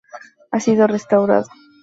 Ha sido restaurado.